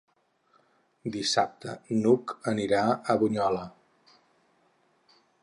Dissabte n'Hug anirà a Bunyola.